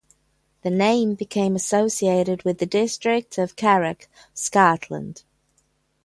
The name became associated with the district of Carrick, Scotland.